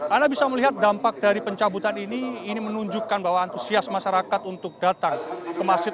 anda bisa melihat dampak dari pencabutan ini ini menunjukkan bahwa antusias masyarakat untuk datang ke masjid